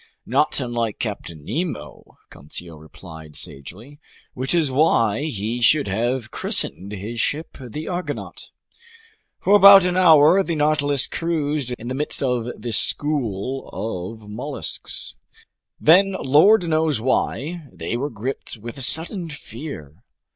"Not unlike Captain Nemo," Conseil replied sagely. "Which is why he should have christened his ship the Argonaut." For about an hour the Nautilus cruised in the midst of this school of mollusks. Then, lord knows why, they were gripped with a sudden fear.